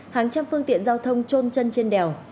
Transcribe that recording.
hàng trăm phương tiện giao thông trôn chân trên đèo